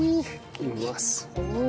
うまそう！